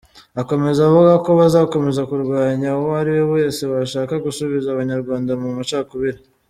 Akomeza avuga ko bazakomeza kurwanya uwo ari we wese washaka gusubiza abanyarwanda mu macakubiri.